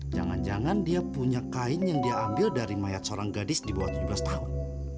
jangan jangan dia punya kain yang dia ambil dari mayat seorang gadis di bawah tujuh belas tahun